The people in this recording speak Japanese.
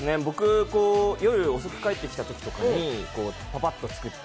夜遅く帰ってきたときにパパッと作って。